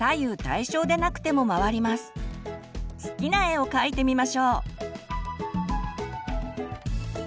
好きな絵を描いてみましょう。